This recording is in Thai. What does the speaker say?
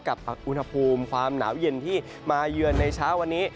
กับอุณหภูมิความหนาวเย็นที่มาเยือนในเช้าวันนี้